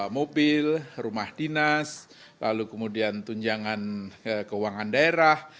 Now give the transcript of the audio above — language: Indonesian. mobil rumah dinas lalu kemudian tunjangan keuangan daerah